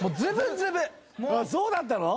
そうだったの？